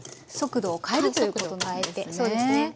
速度を変えるということなんですね。